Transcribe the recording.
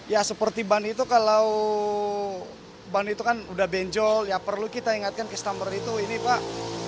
ya seperti ban itu kalau ban itu kan udah benjol ya perlu kita ingatkan customer itu ini pak